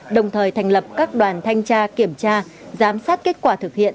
đồng thời thành lập các đoàn thanh tra kiểm tra giám sát kết quả thực hiện